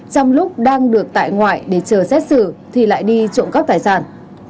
trong lúc đang được tại ngoại để chờ xét xử thì lại đi trộm cắp tài sản